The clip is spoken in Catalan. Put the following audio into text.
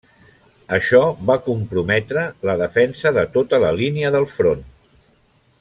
Això va comprometre la defensa de tota la línia del front.